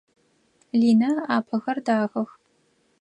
Линэ ыӏапэхэр дахэх.